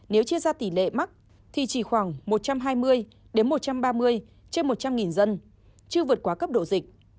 nếu chia ra tỷ lệ mắc thì chỉ khoảng một trăm hai mươi một trăm ba mươi trên một trăm linh dân chưa vượt quá cấp độ dịch